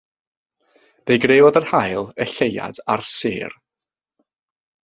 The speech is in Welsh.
Fe greodd yr haul, y lleuad, a'r sêr.